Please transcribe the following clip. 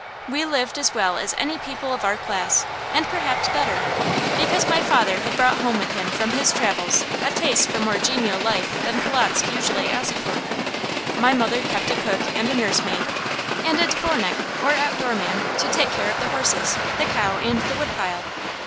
We lived as well as any people of our class, and perhaps better, because my father had brought home with him from his travels a taste for a more genial life than Polotzk usually asked for. My mother kept a cook and a nursemaid, and a dvornik, or outdoor man, to take care of the horses, the cow, and the woodpile.